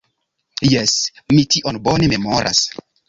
Jes, mi tion bone memoras.